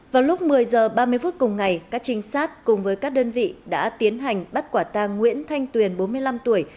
vào lúc một mươi h ba mươi phút cùng ngày các trinh sát cùng với các đơn vị đã tiến hành bắt quả tang nguyễn thanh tuyền bốn mươi năm tuổi